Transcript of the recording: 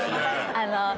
あの。